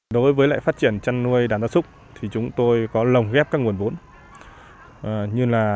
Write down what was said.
đối với phát triển chăn nuôi đàn gia súc chúng tôi có lồng ghép các nguồn vốn